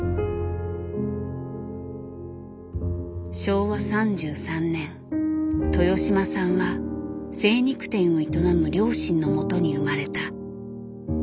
昭和３３年豊島さんは精肉店を営む両親のもとに生まれた。